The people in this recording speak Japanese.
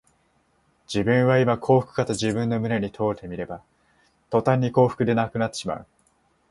自分はいま幸福かと自分の胸に問うてみれば、とたんに幸福ではなくなってしまう